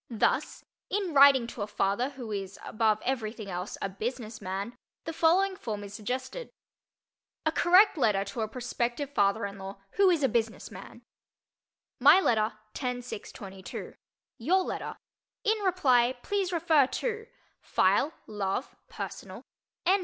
Thus, in writing to a father who is above everything else a "business man," the following form is suggested: A Correct Letter to a Prospective Father in Law Who Is a Business Man My letter, 10 6 22 Your letter, In reply please refer to: ———— File—Love—personal— N.